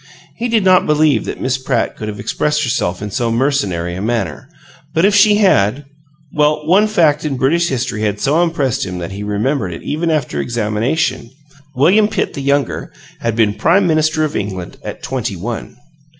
He did not believe that Miss Pratt could have expressed herself in so mercenary a manner, but if she HAD well, one fact in British history had so impressed him that he remembered it even after Examination: William Pitt, the younger, had been Prime Minister of England at twenty one.